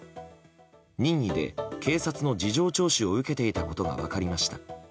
任意で警察の事情聴取を受けていたことが分かりました。